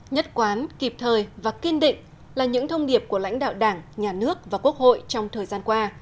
nhất quán kịp thời và kiên định là những thông điệp của lãnh đạo đảng nhà nước và quốc hội trong thời gian qua